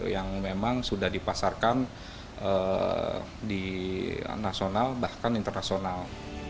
yang memang sudah dipasarkan di nasional bahkan internasional